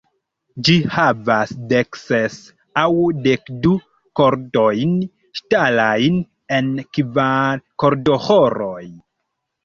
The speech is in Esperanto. Ĝi havas dekses aŭ dekdu kordojn ŝtalajn en kvar kordoĥoroj.